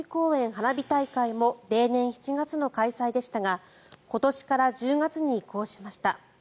花火大会も例年７月の開催でしたが今年から１０月に移行しました。